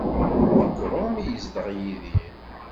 Deg Rome i yezdeɣ Yidir.